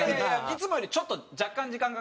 いつもよりちょっと若干時間が。